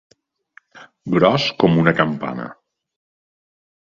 Gros com una campana.